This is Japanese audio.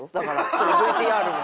そのＶＴＲの。